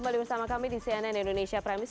anda sudah bersama kami di cnn indonesia prime news